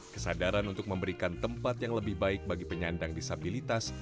kesadaran untuk memberikan tempat yang lebih baik bagi penyandang disabilitas